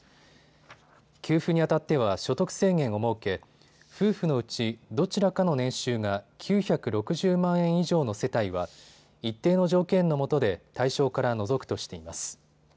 給付にあたっては所得制限を設け夫婦のうち、どちらかの年収が９６０万円以上の世帯は一定の条件のもとで対象から除くとしています。